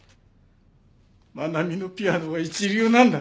真奈美のピアノは一流なんだ。